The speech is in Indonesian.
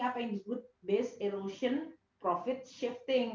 apa yang disebut base erosion profit shifting